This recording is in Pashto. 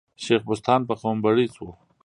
شېخ بُستان په قوم بړیڅ وو.